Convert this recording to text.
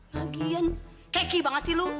lagian keki banget sih lo